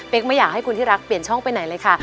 ไม่อยากให้คุณที่รักเปลี่ยนช่องไปไหนเลยค่ะ